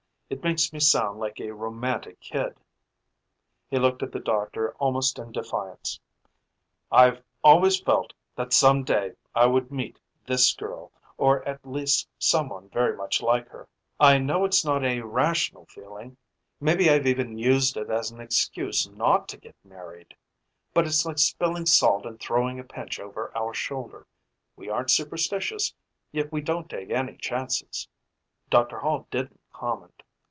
It makes me sound like a romantic kid." He looked at the doctor almost in defiance. "I've always felt that some day I would meet this girl, or at least someone very much like her. I know it's not a rational feeling maybe I've even used it as an excuse not to get married but it's like spilling salt and throwing a pinch over our shoulder; we aren't superstitious, yet we don't take any chances." Dr. Hall didn't comment.